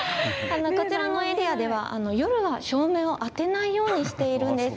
こちらのエリアでは夜は照明を当てないようにしているんです。